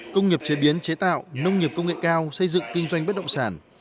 công nghiệp chế biến chế tạo nông nghiệp công nghệ cao xây dựng kinh doanh bất động sản